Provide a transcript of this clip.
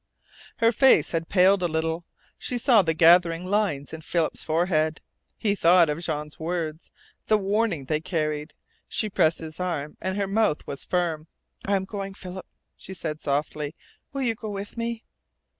Her face had paled a little. She saw the gathering lines in Philip's forehead. He thought of Jean's words the warning they carried. She pressed his arm, and her mouth was firm. "I am going, Philip," she said softly. "Will you go with me?"